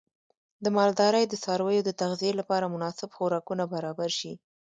د مالدارۍ د څارویو د تغذیې لپاره مناسب خوراکونه برابر شي.